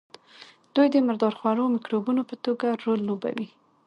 دوی د مردار خورو مکروبونو په توګه رول لوبوي.